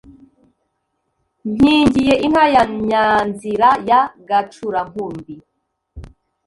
Nkingiye inka ya Nyanzira ya Gacurankumbi